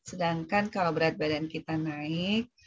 sedangkan kalau berat badan kita naik